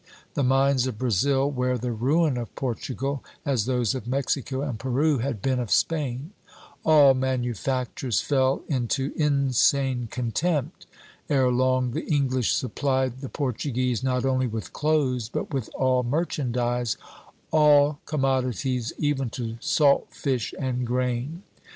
"The mines of Brazil were the ruin of Portugal, as those of Mexico and Peru had been of Spain; all manufactures fell into insane contempt; ere long the English supplied the Portuguese not only with clothes, but with all merchandise, all commodities, even to salt fish and grain.